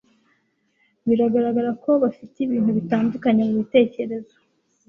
Biragaragara ko bafite ibintu bitandukanye mubitekerezo.